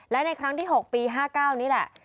และในครั้งที่๖ปี๕๙นี่แหละ